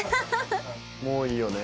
もういいよね。